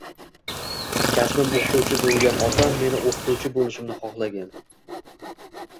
Kasbim o'qituvchi bo'lgan otam meni o'qituvchi bo'lishimni xohlagan